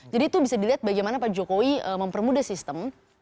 itu bisa dilihat bagaimana pak jokowi mempermudah sistem